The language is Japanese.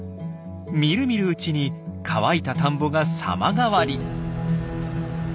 みるみるうちに乾いた田んぼが様変わり。